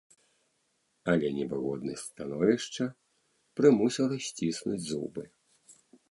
Але невыгоднасць становішча прымусіла сціснуць зубы.